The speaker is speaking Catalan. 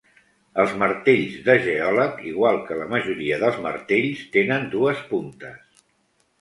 Els martells de geòleg, igual que la majoria dels martells, tenen dues puntes.